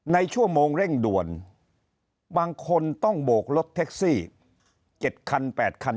ในชั่วโมงเร่งด่วนบางคนต้องโบกรถแท็กซี่๗คัน๘คัน